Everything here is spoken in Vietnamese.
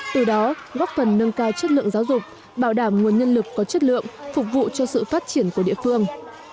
từ đó góp phần nâng cao chất lượng giáo dục bảo đảm nguồn nhân lực có chất lượng phục vụ cho sự phát triển của địa phương